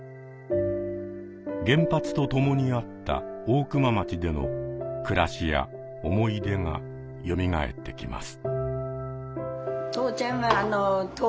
原発とともにあった大熊町での暮らしや思い出がよみがえってきます。